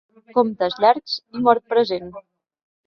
Comptes llargs i mort present.